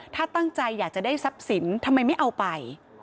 ถ้าตั้งใจอยากจะได้ทรัพย์สินทำไมไม่เอาไป